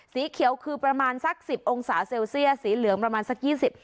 สีเขียวคือประมาณสักสิบองศาเซลเซียสสีเหลืองประมาณสักยี่สิบ